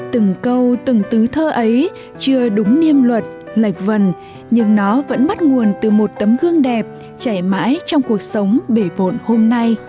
từng câu từng tứ thơ ấy chưa đúng niêm luật lệch vần nhưng nó vẫn bắt nguồn từ một tấm gương đẹp trẻ mãi trong cuộc sống bể bộn hôm nay